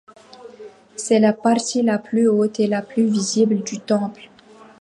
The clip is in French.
C'est la partie la plus haute et la plus visible du temple.